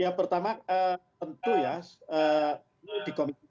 ya pertama tentu ya di komisi tiga